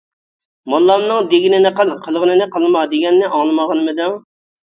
«موللامنىڭ دېگىنىنى قىل، قىلغىنىنى قىلما» دېگەننى ئاڭلىمىغانمىدىڭ؟ !